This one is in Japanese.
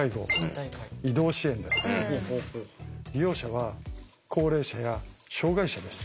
利用者は高齢者や障害者です。